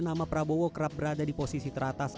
nama prabowo kerap berada di posisi teratas